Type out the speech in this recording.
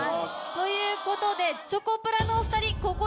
ということでチョコプラのお２人ここで。